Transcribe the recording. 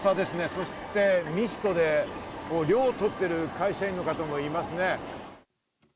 そしてミストで涼をとっている会社員の方もいますね。